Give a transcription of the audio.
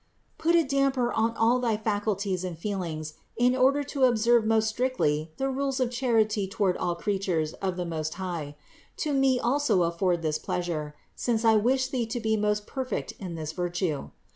Place a damper on all thy faculties and feel 342 CITY OF GOD ings in order to observe most strictly the rules of charity toward all creatures of the Most High. To me also afford this pleasure, since I wish thee to be most per fect in this virtue.